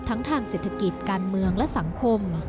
ทางเศรษฐกิจการเมืองและสังคม